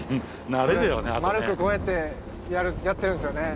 丸くこうやってやってるんですよね。